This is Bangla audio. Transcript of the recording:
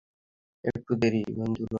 একটু দেখি, বন্ধুরা।